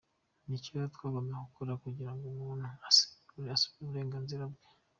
Ni cyo rero twagombaga gukora kugira ngo umuntu asubirane uburenganzira bwe.